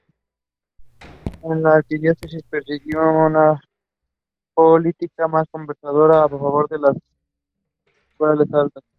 En la Arquidiócesis persiguió una política más conservadora a favor de las clases altas.